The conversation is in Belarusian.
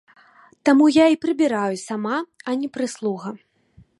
Таму я і прыбіраю сама, а не прыслуга.